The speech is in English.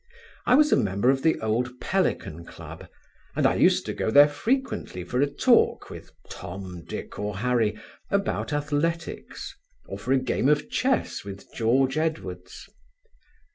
I was a member of the old Pelican Club, and I used to go there frequently for a talk with Tom, Dick or Harry, about athletics, or for a game of chess with George Edwards.